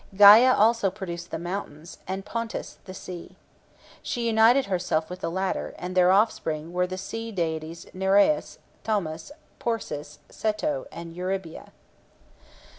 Gæa also produced the mountains, and Pontus (the sea). She united herself with the latter, and their offspring were the sea deities Nereus, Thaumas, Phorcys, Ceto, and Eurybia.